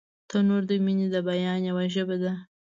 تنور د مینې د بیان یوه ژبه ده